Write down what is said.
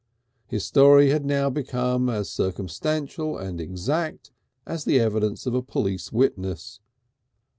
His story had now become as circumstantial and exact as the evidence of a police witness.